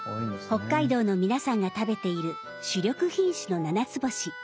北海道の皆さんが食べている主力品種のななつぼし。